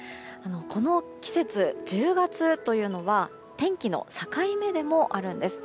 この季節、１０月というのは天気の境目でもあるんです。